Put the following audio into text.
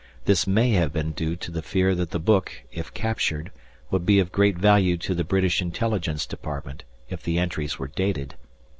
This may have been due to the fear that the book, if captured, would be of great value to the British Intelligence Department if the entries were dated.